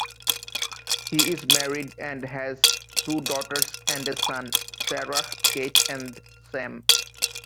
He is married and has two daughters and a son, Sarah, Kate and Sam.